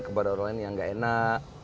kepada orang lain yang gak enak